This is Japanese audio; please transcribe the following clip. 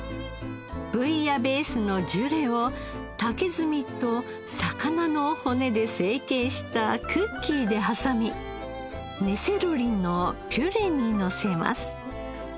ブイヤベースのジュレを竹炭と魚の骨で成形したクッキーではさみ根セロリのピュレにのせます。